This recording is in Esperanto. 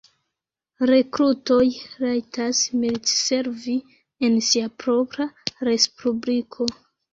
Rekrutoj rajtas militservi en sia propra respubliko.